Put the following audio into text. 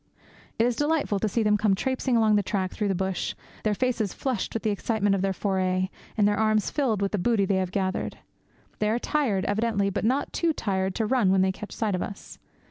It is delightful to see them come traipsing along the track through the bush, their faces flushed with the excitement of their foray, and their arms filled with the booty they have gathered. They are tired, evidently, but not too tired to run when they catch sight of us.